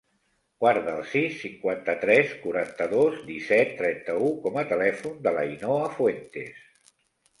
Guarda el sis, cinquanta-tres, quaranta-dos, disset, trenta-u com a telèfon de l'Ainhoa Fuentes.